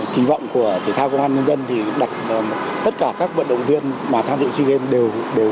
kỳ vọng của thể thao công an nhân dân thì đặt tất cả các vận động viên mà tham dự sea games đều